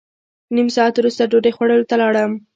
نیم ساعت وروسته ډوډۍ خوړلو ته لاړم.